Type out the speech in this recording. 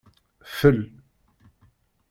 Fel!